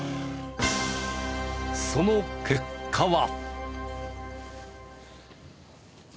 その結果は。